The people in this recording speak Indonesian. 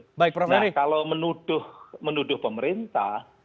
nah kalau menuduh pemerintah